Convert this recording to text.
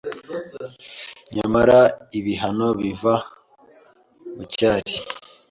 Nyamara ibihano biva mucyari